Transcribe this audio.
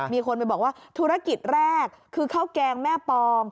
มีคนไปบอกว่าธุรกิจแรกคือข้าวแกงแม่ปอง